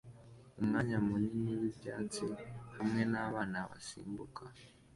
Umwanya munini wibyatsi hamwe nabana basimbuka